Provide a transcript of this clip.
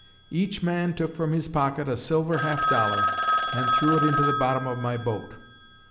Each man took from his pocket a silver half dollar and threw it into the bottom of my boat.